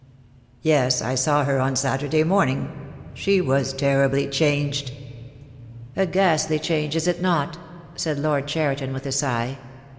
"Yes, I saw her on Saturday morning. She was terribly changed." "A ghastly change, is it not?" said Lord Cheriton, with a sigh.